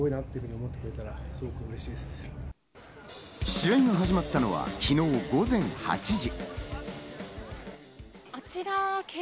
試合が始まったのは昨日午前８時。